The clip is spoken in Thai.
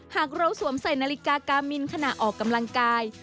หากเราสวมใส่นาฬิกากามินขณะออกกำลังกาย